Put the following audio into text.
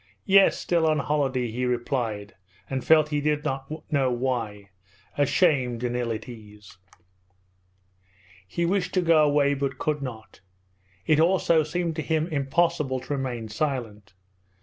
'Yes, still on holiday,' he replied, and felt, he did not know why, ashamed and ill at ease. He wished to go away but could not. It also seemed to him impossible to remain silent.